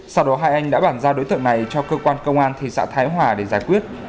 sau đó hai anh đã bản ra đối tượng này cho cơ quan công an thị xã thái hòa để giải quyết